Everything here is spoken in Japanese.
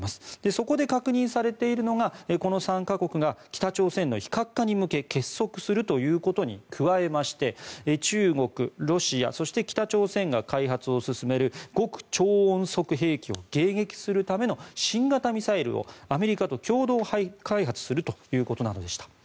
そこで確認されているのがこの３か国が北朝鮮の非核化に向け結束することに加えまして中国、ロシアそして北朝鮮が開発を進める極超音速兵器を迎撃するための新型ミサイルをアメリカと共同開発するということなどでした。